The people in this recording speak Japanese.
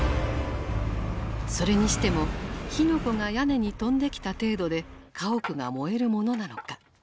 それにしても火の粉が屋根に飛んできた程度で家屋が燃えるものなのか。